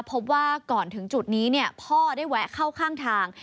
พบว่าก่อนถึงจุดนี้พ่อได้แวะเข้าข้างทาง